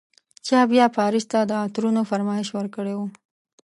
چا بیا پاریس ته د عطرونو فرمایش ورکړی و.